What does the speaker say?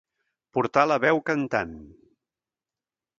Portar la veu cantant.